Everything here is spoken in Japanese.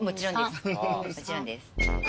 もちろんです。